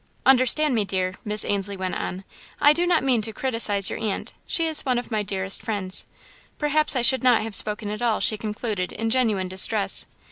"Understand me, dear," Miss Ainslie went on, "I do not mean to criticise your aunt she is one of my dearest friends. Perhaps I should not have spoken at all," she concluded in genuine distress.